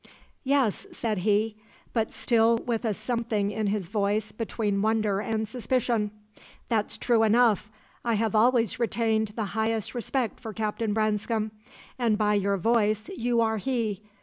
"'Yes,' said he, but still with a something in his voice between wonder and suspicion; 'that's true enough. I have always retained the highest respect for Captain Branscome, and by your voice you are he.